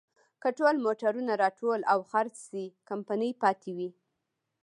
که ټول موټرونه راټول او خرڅ شي، کمپنۍ پاتې وي.